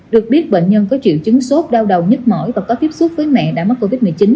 được biết bệnh nhân có triệu chứng sốt đau đầu nhức mỏi và có tiếp xúc với mẹ đã mắc covid một mươi chín